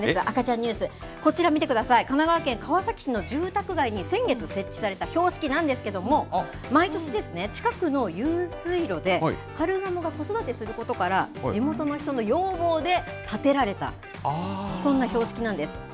赤ちゃんニュース、こちら見てください、神奈川県川崎市の住宅街に先月設置された標識なんですけども、毎年ですね、近くの遊水路で、カルガモが子育てすることから、地元の人の要望で立てられた、そんな標識なんです。